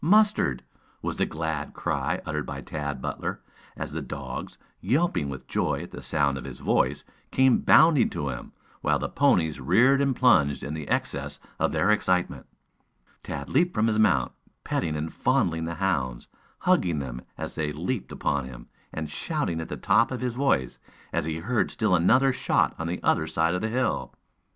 Mustard!" was the glad cry uttered by Tad Butler, as the dogs, yelping with joy at the sound of his voice, came bounding to him, while the ponies reared and plunged in the excess of their excitement. Tad leaped from his mount, petting and fondling the hounds, hugging them as they leaped upon him, and shouting at the top of his voice, as he heard still another shot on the other side of the hill.